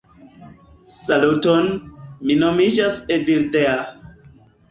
Saluton, mi nomiĝas Evildea